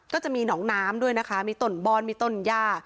ก็จะมีหนองน้ำด้วยนะคะมีต้นบอนมีต้นย่า